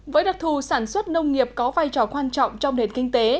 với đặc thù sản xuất nông nghiệp có vai trò quan trọng trong nền kinh tế